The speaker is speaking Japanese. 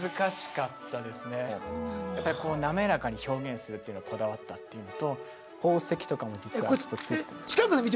やっぱりこう滑らかに表現するっていうのにこだわったっていうのと宝石とかも実はちょっとついてます。